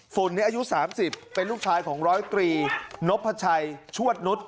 ฝุ่นนี้อายุสามสิบเป็นลูกชายของร้อยกรีนบพระชัยชวดนุษย์